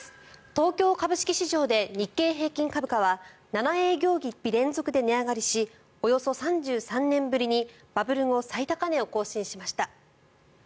東京株式市場で日経平均株価は７営業日連続で値上がりしおよそ３３年ぶりにバブル後最高値を更新しました。